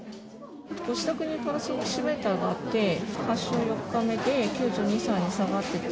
ご自宅にパルスオキシメーターがあって、発症４日目で９２、３に下がってて。